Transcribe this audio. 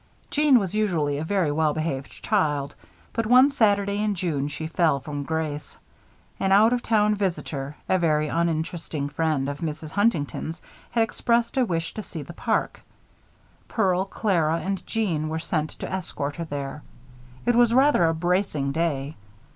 Jeanne was usually a very well behaved child, but one Saturday in June she fell from grace. An out of town visitor, a very uninteresting friend of Mrs. Huntington's, had expressed a wish to see the park. Pearl, Clara, and Jeanne were sent to escort her there. It was rather a bracing day.